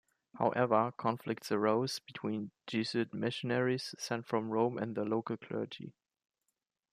However, conflicts arose between Jesuit missionaries sent from Rome and the local clergy.